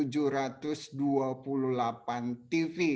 ada tujuh ratus dua puluh delapan tv